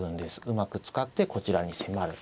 うまく使ってこちらに迫る。